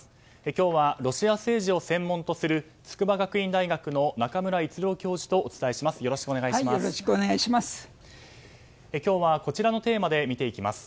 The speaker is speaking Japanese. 今日はロシア政治を専門とする筑波学院大学の中村逸郎教授とお伝えします。